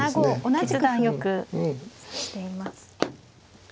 決断よく指しています。